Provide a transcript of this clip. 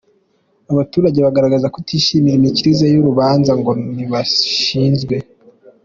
Abaturage bagaragazaga kutishimira imikirize y'uru rubanza bo ngo ntibashizwe.